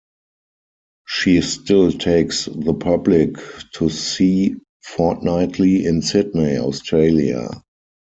She still takes the public to sea fortnightly in Sydney, Australia.